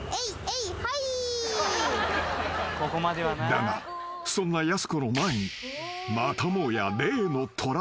［だがそんなやす子の前にまたもや］